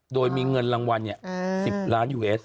โดยมีเงินรางวัล๑๐ล้านยูเอส